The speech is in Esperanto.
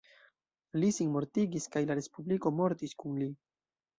Li sinmortigis kaj la Respubliko mortis kun li.